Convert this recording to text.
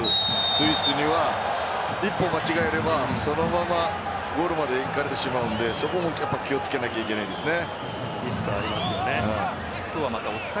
スイスは一歩間違えればそのままゴールまでいかれてしまうんでそこも気をつけなければいけないですね。